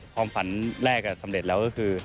ความฝันแรกสำเร็จแล้วก็คือ